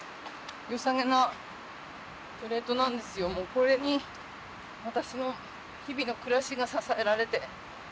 これに私の日々の暮らしが支えられて。